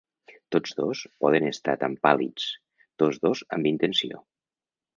Tots dos poden estar tan pàl·lids, tots dos amb intenció.